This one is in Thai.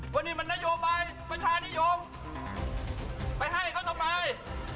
ว่านี่มันนโยบายประชานิยมไปให้เขาทำไม